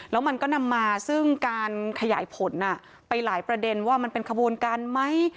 แล้วมันก็นำมาซึ่งการขยายผลไปหลายประเด็นว่ามันเป็นขบวนการไหม